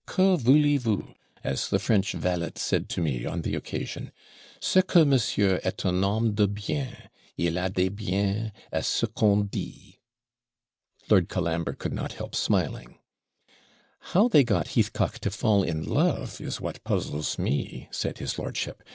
QUE VOULEZ VOUS? as the French valet said to me on the occasion. C'EST QUE MONSIEUR EST UN HOMME DE BIEN: IL A DES BIENS, A CE QU'ON DIT.' Lord Colambre could not help smiling. 'How they got Heathcock to fall in love is what puzzles me,' said his lordship.